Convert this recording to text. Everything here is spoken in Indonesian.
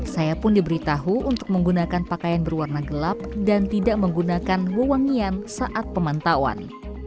saya pun diberitahu untuk menggunakan pakaian berwarna gelap dan tidak menggunakan wawangian saat pemantauan